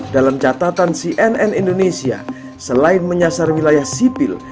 dalam catatan cnn indonesia selain menyasar wilayah sipil